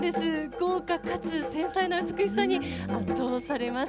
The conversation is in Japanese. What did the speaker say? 豪華かつ繊細な美しさに圧倒されます。